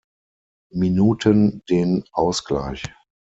Minuten den Ausgleich.